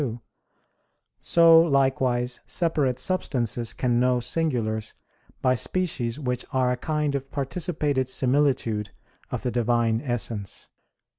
2), so likewise separate substances can know singulars by species which are a kind of participated similitude of the Divine Essence.